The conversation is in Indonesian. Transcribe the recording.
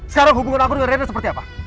sekarang hubungan aku dengan rena seperti apa